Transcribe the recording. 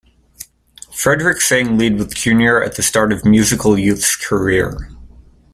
Frederick sang lead with Junior at the start of Musical Youth's career.